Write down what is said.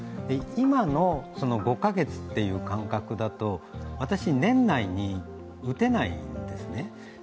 今の５か月という間隔だと私、年内に打てないんですね。